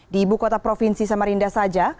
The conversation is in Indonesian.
di ibu kota provinsi samarinda saja